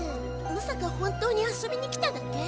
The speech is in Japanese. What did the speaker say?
まさか本当に遊びに来ただけ？